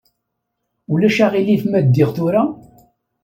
Ulac aɣilif ma ddiɣ tura?